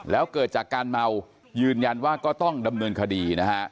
แล้วเกิดจากการเมายืนยันว่าก็ต้องดำเนินคดีนะฮะ